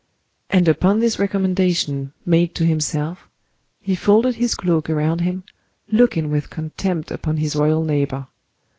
And upon this recommendation, made to himself, he folded his cloak around him, looking with contempt upon his royal neighbor.